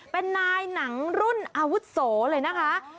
เป็นนายหนังรุ่นอาวุโสเลยนะคะ